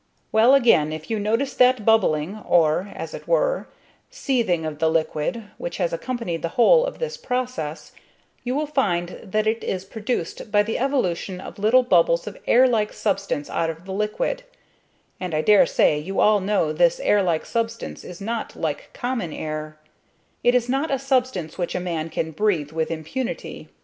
Well, again, if you notice that bubbling, or, as it were, seething of the liquid, which has accompanied the whole of this process, you will find that it is produced by the evolution of little bubbles of air like substance out of the liquid; and I dare say you all know this air like substance is not like common air; it is not a substance which a man can breathe with impunity.